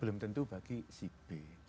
belum tentu bagi si b